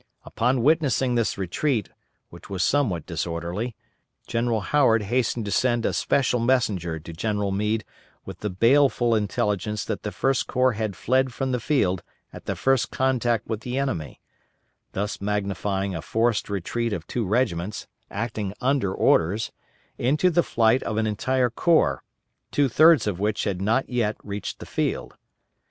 Upon witnessing this retreat, which was somewhat disorderly, General Howard hastened to send a special messenger to General Meade with the baleful intelligence that the First Corps had fled from the field at the first contact with the enemy, thus magnifying a forced retreat of two regiments, acting under orders, into the flight of an entire corps, two thirds of which had not yet reached the field.